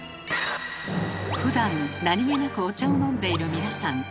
ふだん何気なくお茶を飲んでいる皆さん。